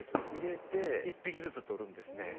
１匹ずつ取るんですね。